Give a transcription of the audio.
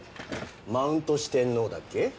マウント四天王だっけ？